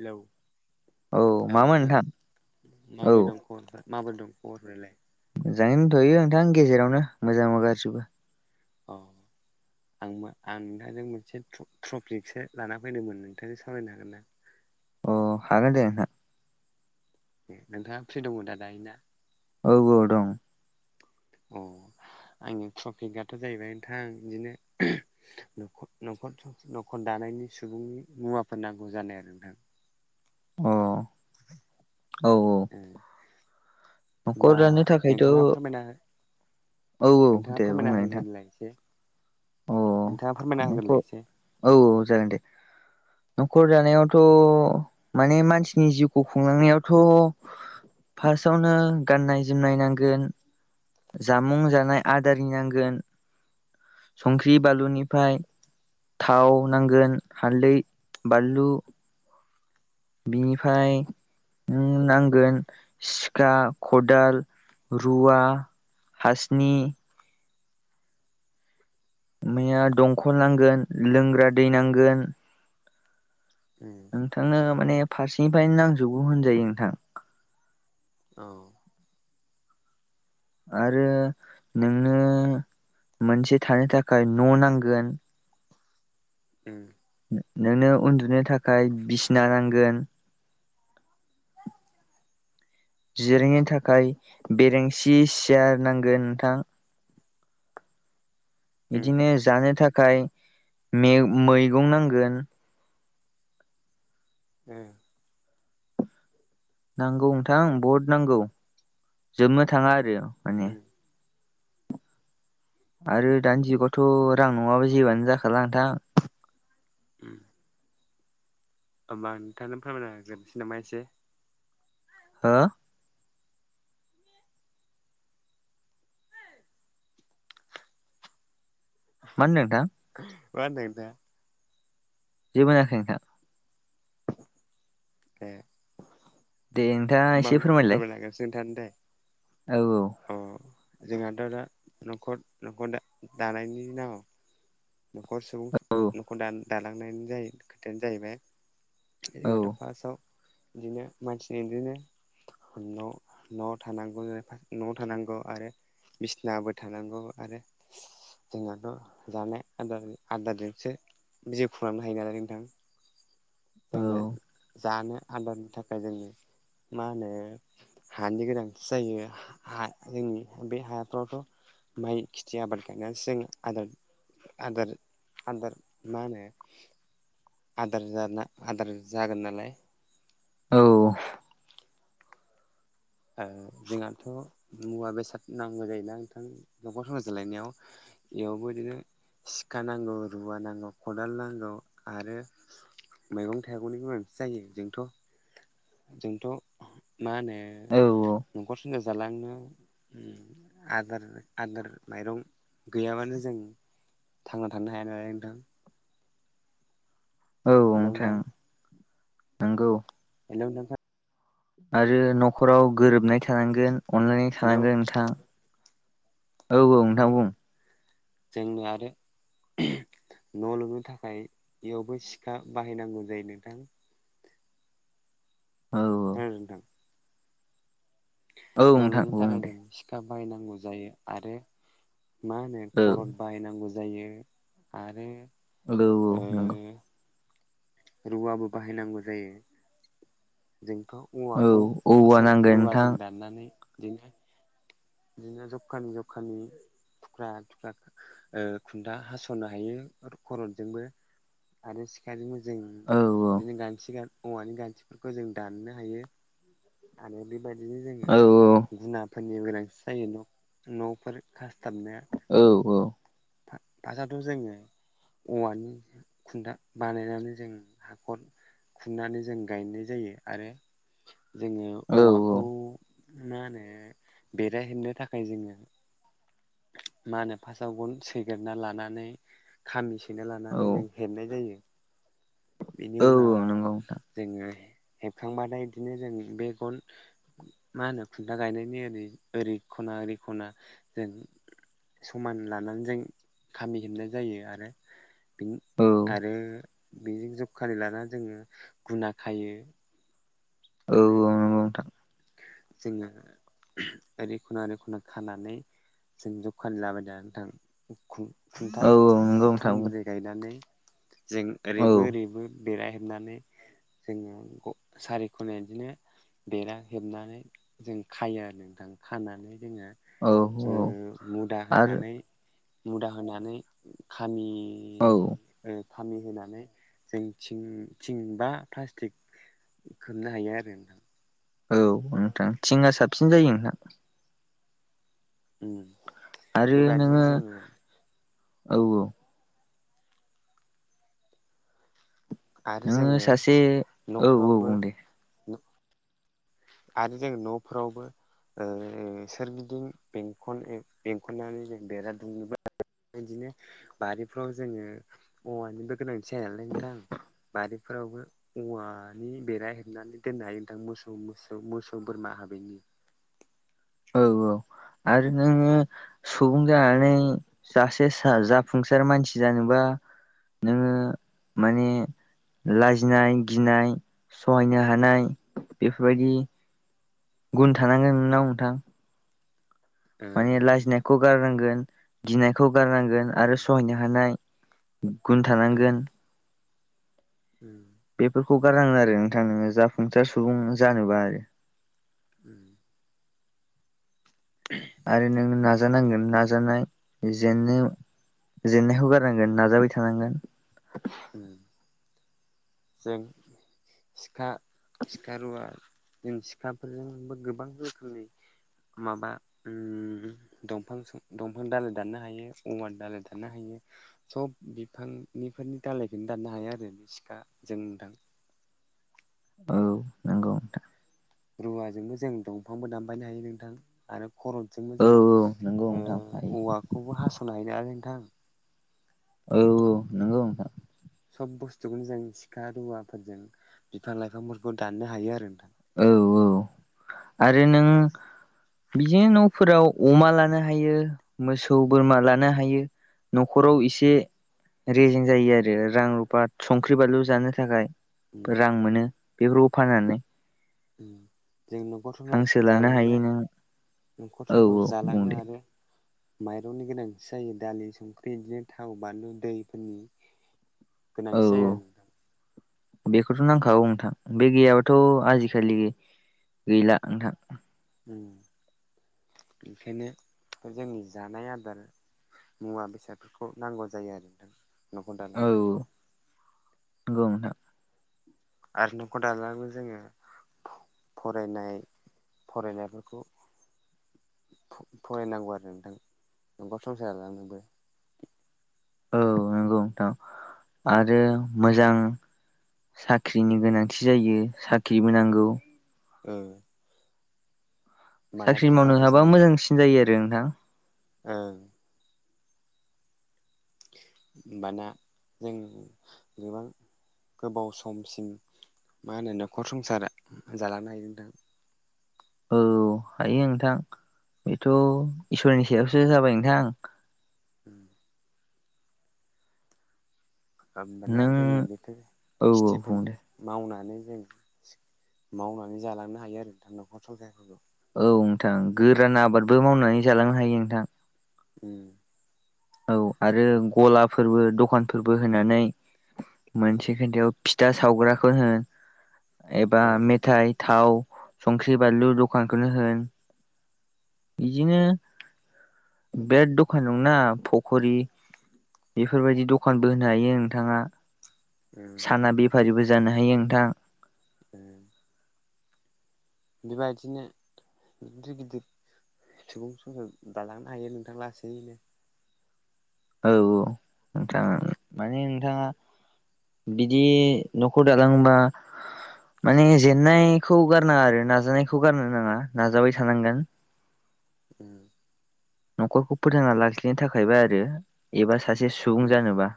Hello औ मामोन नोंथां औ माबोरै दं माबोरै दं खबरफालाय मोजाङै दथ'यो नोंथां गेजेरावनो मोजां गारजिबो औ आं आं नोंथांजों मोनसे ट्रपिकसो लाना फैदोंमोन नोंथांजों सावरायनो हागोन ना अ हागोन दे नोंथां नोंथाङा फ्रि दङ दा दायो ना औ औ दं अ आंनि प्रफिटआथ' जाहैबाय नोंथां बिदिनो ख नखर न'खर दानायनि सुबुंनि मुवाफोर नांगौ जानाय आरो नोंथां अ औ औ। बा न'खर दानो थाखायथ' नोंथाङा फोरमायना। औ नोंथाङा दे फोरमायना बुंलाय नोंथां होगोरलाय एसे अ नोंथाङा फोरमायना होगोरलाय न'खर एसे। औ औ जागोन दे न'खर जानायावथ' माने मानसिनि जिउखौ खुंलांनायावथ' फार्स्टआवनो गाननाय जोमनाय नांगोन जामुं जानाय आदारि नांगोन संख्रि बानलुनिफ्राय थाव नांगोन हालदै बानलु बिनिफ्राय न नांगोन सिखा खदाल रुवा हासनि माया दंखल नांगोन लोंग्रा दै नांगोन उम नोंथांनो माने फार्सेनिफ्रायनो नांजोबगौ होनजायो नोंथां औ आरो नोंनो मोनसे थानो थाखाय न' नांगोन उम नोंनो उन्दुनो थाखाय बिसिना नांगोन जिरेंनि थाखाय बेरेंसि सियार नांगोन नोंथां उम बिदिनो जानो थाखाय मैगं नांगोन उम नांगौ नोंथां बहद नांगौ जोबनो थाङा आरो माने उम आरो दानि जुगावथ' रां नङाबा जेबानो जाखाला नोंथां उम होमबा आ नोंथांनो फोरमायनााग्रोबोसै नामा एसे हा मा होनदों नोंथां। मा होनदों नोंथां। जेबोोष होनाखै नोंथां। [unintelligible] बे दे नोंथां। होमबा फोरमायलायगासिनो नोंथाङानो दे। औ -औ। अ जोंहाथ' दा न'खर न'खर दा दानायनि नांग न'खर सुबुं औ न'खर दा दालांनायनि जाय खोथायानो जाहैबाय। औ जोंहथ' फार्स्टआव बिदिनो मानसिनि बिदिनो। न' न'आव थानांगौ जेरै न'आव थानांगौ आरो। बिसनाबो थानांगौ आरो जोंहथ' जानाय। आदार आदारजोंसो जिउ खुलांनो हायोनालाय नोंथां। औ जोंनो जानो आदारनि थाखाय जोंनो मा होनो हानि गोनांथि जायो हा जोंनि बे हाफ्रावथ' माइ खिथि आबाद गायनानैसो जायो आदार आदार आदार मा होनो आदार जाना आदार जागोन नालाय। औ। ओ जोंहाथ' मुवा बेसाद नांगौ जायोना नोंथां नख'र संसार जालायनायाव। इयावबो बिदिनो सिखा नांगौ रुवा नांगौ खदाल नांगौ आरो मैगं थाइगंनि गोनांथि जायो जोंथ' जोंथ' मा होनो औ औ। न'खर संसार जालांनो ओम। आदार आदार माइरं गैयाबानो जों थांना थानो हाया नालाय नोंथां। औ नोंथां नोंगौ। हेलौ नोंथां। आरो न'खराव गोरोबनाय थानांगोन अनलायनाय हेलौ थानांगोन नोंथां। औ औ नोंथां बुं। जोंनो आरो न' लुनो थाखाय इयावबो सिखा बाहायनांगौ जायो नोंथां। औ खोनादों नोंथां। औ न' नोंथां लुनो बुं थाखाय दे जों सिखा बाहायनांगौ जायो आरो मा होनो औ खरद बाहायनांगौ जायो आरो औ औ ओ नोंगौ। रुवाबो बाहायनांगौ जायो जोंथ' औ औवाखौ औवा फास्टआव नांगोन नोंथां रुवाजों दाननानै बिदिनो बिदिनो जबखानि जबखानि थुख्रा थुख्रा ओ खुनथा हास'नो हायो खरदजोंबो। आरो सिखाजोंबो जों औ बिदिनो गानथि गान औवानि गान्थिफोरखौ जों दाननो हायो आरो बेबायदिनो जोङो औ गुना फोरनि गोनांथि जायो न' न'फोर खासथाबनो। औ। फा फासावथ' जोङो। औवानि खुन्था बानायनानै जों हाखर खुंनानै जों गायनाय जायो आरो जोङो औवाखौ औ मा होनो बेरा हेबनो थाखाय जोङो मा होनो फासटआव गन सैग्रोना लानानै खामि सैना औ लानानै जों हेेबनाय जायो बेनि औ औ उनाव नंगौ नोंथां जोङो हेबखांबाथाय इदिनो जों बे गन मा होनो खुन्था गायनायनि ओरै ओरै खना ओरै खना जों समान लानानै जों खामि हेबनाय जायो आरो बिन औ बे बेजों जबखालि लाना जोङो गुना खायो। औ आरो नंगौ नोंथां जोंना ओरै खना ओरै खना खानानै जों जबखानि लाबायदा नोंथां। खु-खुन्था औ नंगौ नोंथां थंब्रै गायनानै जों औ ओरैबो ओरैबो बेरा हेबनानै जोङो सारिखनाय इदिनो बेरा हेबनानै जों खायो आरो नोंथां खानानै जोङो औ ओ औ मुदा आरो होनानै मुदा होनानै खामि औ खामि होनोनानै जों थिं थिं बा प्लास्टिक खोबनो हायो आरो नोंथां। औ नोंथां थिंआ साबसिन जायो नोंथां। उम। आरो बेबादिनो नोङो जोङो औ औ। आरो नोङो जोङो सासे औ औ न'फ्रावबो बुं दे आरो जों न'फोरावबो ओ सोरगिदिं बेंखन बेंखननानै जों बेरा दुमैबो बिदिनो बारिफ्राव जोङो औवानिबो गोनांथि जाया नालाय नोंथां। बारिफोरावबो औवानि बेरा हेबनानै दोननो हायो नोंथां मोसौ। मोसौ मोसौ मोसौ बोरमा हाबैनि। औ औ आरो नोङो। सुबुं जानानै सासे जाफुंसार मानसि जानोबा। नोङो माने लाजिनाय गिनाय सहायनो हानाय बेफोरबायदि गुन थानांगोन नोंनाव नोंथां। ओं माने नोंथां लाजिनायखौ गारनांगोन गिनायखौ गारनांगोन। उम आरो सहायनो हानाय गुन थानांगोन। ओम। बेफोरखौ गारङो आरो नोंथां नोङो जाफुंसार सुबुं जानोबा आरो। उम। ओह। आरो नोंङो नाजानांगोन नाजानाय जेननायाव। जेननायखौ गारनांगोन नाजाबाय थानांगोन। ओम। जों सिखा सिखा रुवा। जों सिखाफोरजोंबो गोबां रोखोमनि माबा ओम। दफां दंफां दाालइ दाननो हायो औवा दालइ दाननो हायो। सब बिफांनिफोरनि दालायखौनो दाननो हाया आरो बे सिखा जों दान। औ नंगौ नों थां। रुवाजोंबो जों दंफांबो दामबायनो हायो नोंथां। आरो खरट'जोंबो औ जों औ नंगौ नोंथां हायो औवाखौबो हास'नो हैनो आरो नोंथां औ नोंगौ नोंथां। सब बुस्थुखौनो जों सिखा रुवाफोरजों बिफां लाइफांफोरखौ दाननो हायो आरो नोंथां। औ औ आरो नों बिदिनो न'फोराव अमा लानो हायो मोसौ बोरमा लानो हायो। न'खराव एसे। रेजें जायो आरो रां रुफा संख्रि बानलु जानो थाखाय उम रां मोनो बेफोरखौ फाननानै। उम जोंनो नखर संसार हांसो लानो हायो जालांनो नों न'खर औ संखरखौ औ बुं जालांनो दे आरो माइरंनि गोनांथि जायो दालि संख्रि बिदिनो थाव बानलु दैफोरनि औ गोनांथि जायो औ। आरो नोंथां बेखौथ' नांखागौ नोंथां बे गैयाबाथ' आजिखालि गैला नोंथां। उम ओंखायनो जोंनि जानाय आदार मुवा बेसादफोरखौ नांगौ जायो आरो नोंथां। न'खर औ दालांनो थाखाय नंगौ नोथां। आरो नखर जायो। फरायनाय फरायनायफोरखौ फरायनांगौ आरो नोंथां नखर संसार जालांनोबो। औ नंगौ नोंथां आरो मोजां साख्रिनि गोनांथि जायो साख्रिबो नांगौ। औ। साख्रि थाखा मावनो हाबा मोजांसिन जायो आरो नोंथां। ओं। होनबाना जों गोबां गोबाव समसिम मा होनो न'खर संसार जालांनो हायो नोंथां। औ हायो नोंथां बेथ' इसोरनि सायावसो जाबाय नोंथां। उम। होमबाना नों जोङो बेफोर औ औ खेथिफोर बुं दे मावनानै जों मावनानै जालांनो हायो आरो नोंथां न'खर संसाफोरखौ। औ नोंथां गोरान आबादबो मावनानै जालांनो हायो नोंथां। उम। औ आरो गलाफोरबो दखानफोरबो होनानै ओ मोनसे खोन्थायाव फिथा सावग्राखौ होन एबा ओ मेथाइ थाव संख्रि बानलु दखानखौनो होन बिदिनो बे दखान दंनवना पखरि बेफोरबायदि दखानबो होनो हायो नोंथाङा ओ साना बेफारिबो जानो हायो नोंथां। ओ बेबायदिनो गिदिर गिदिर सुबुं संसार दालांनो हायो नोंथां लासैनो। औ औ नोथां माने नोंथाङा बिदि न'खर दालांनोबा माने जेननायखौ गारनाङा आरो ना नाजानायखौ गारनो नाङा नाजाबाय थानांगोन। ओम। न'खरखौ फोथांना लाखिनो थाखायबा आरो एबा सासे सुबुं जानोबा।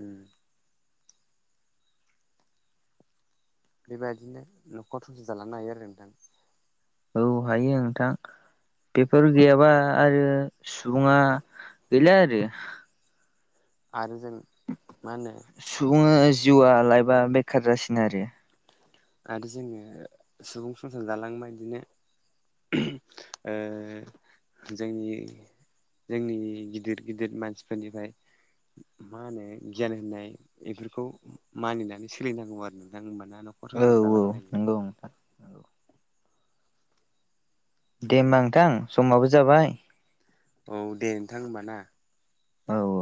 ओम। बेबायदिनो न'खर संसार जालांनो हायो आरो नोंथां। औ हायो नोंथां। बेफोर गैयाबा आरो सुबुङा गैला आरो। आरो जों मा होनो सुबुङा जिउआ लाइबआ बेखार जासिन आरो। आरो जोङो सुबुं संसार जालांनोबा बिदिनो ओ जोंनि जोंनि गिदिर गिदिर मानसिफोरनिफ्राय मा होनो गियान होननाय बेफोरखौ मानिनानै सोलिनांगौ आरो नोंथां होमबाना न खर औ संसार दालांनो हायो। औ नोंथां दे होमबा नोंथां समाबो जाबाय औ दे नोंथां होमबा ना औ औ